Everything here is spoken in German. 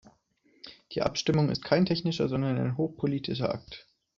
Die Abstimmung ist kein technischer, sondern ein hochpolitischer Akt.